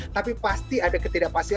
tapi pasti ada ketidakpastian